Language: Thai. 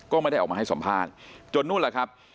ก็ไม่ได้ออกมาให้สัมภาษณ์จนนู่นแหละครับ